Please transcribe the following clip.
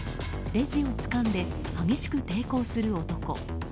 レジをつかんで激しく抵抗する男。